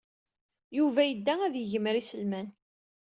Yuba yedda ad yegmer iselman.